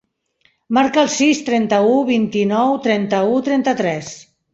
Marca el sis, trenta-u, vint-i-nou, trenta-u, trenta-tres.